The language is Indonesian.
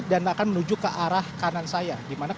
dan akan menuju ke arah kanan saya di mana